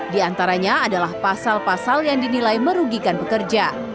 di antaranya adalah pasal pasal yang dinilai merugikan pekerja